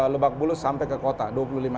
lebak bulus sampai ke kota dua puluh lima km